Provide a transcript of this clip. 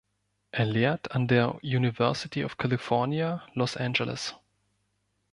Er lehrt an der University of California, Los Angeles.